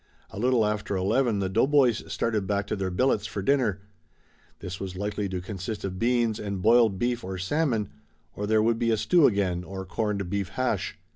A little after eleven the doughboys started back to their billets for dinner. This was likely to consist of beans and boiled beef or salmon, or there would be a stew again or corned beef hash.